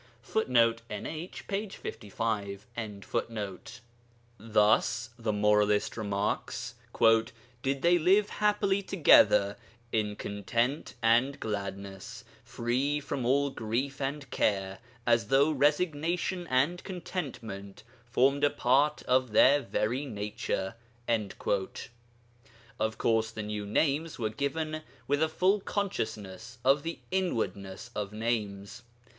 [Footnote: NH, p. 55.] 'Thus,' the moralist remarks, 'did they live happily together in content and gladness, free from all grief and care, as though resignation and contentment formed a part of their very nature.' Of course, the new names were given with a full consciousness of the inwardness of names.